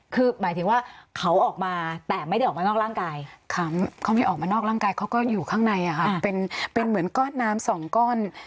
คือหมายถึงว่าเขาออกมาแต่ไม่ได้ออกมานอกร่างกายเขาไม่ออกมานอกร่างกายเขาก็อยู่ข้างในค่ะเป็นเหมือนก้อนน้ำสองก้อน